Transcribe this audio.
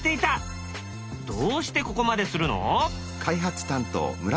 どうしてここまでするの？